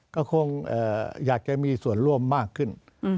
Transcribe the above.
ก็คงอยากจะมีส่วนร่วมมากขึ้น